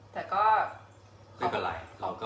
ไม่เป็นไร